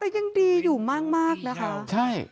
ยังดีอยู่มากนะคะ